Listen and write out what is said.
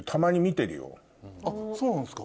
そうなんですか？